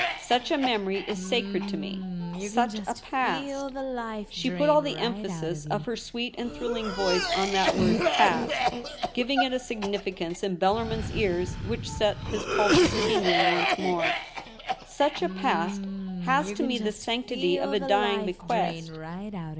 Such a memory is sacred to me — such a past !' She put all the emphasis of her sweet and thrilling voice on that w^ord ' past,' giving it a significance in Bellarmin's ears which set his pulses tingling once more. ' Such a past has to me the sanctity of a dying bequest.